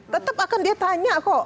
tetap akan dia tanya kok